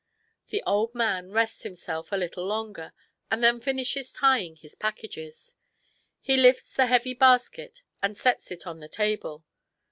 The old man rests himself a little longer and then fin ishes tying his packages. He lifts the heavy basket and sets it on the table.